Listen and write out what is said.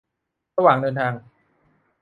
ระหว่างเดินทาง